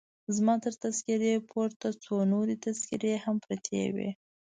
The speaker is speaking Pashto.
زما تر تذکیرې پورته څو نورې تذکیرې هم پرتې وې.